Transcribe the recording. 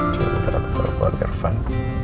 coba ntar aku taruh keluar irfan